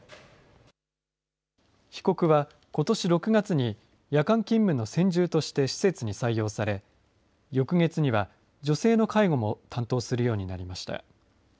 被告はことし６月に夜間勤務の専従として施設に採用され、翌月には女性の介護も担当するようになりました。